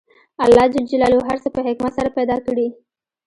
الله ج هر څه په حکمت سره پیدا کړي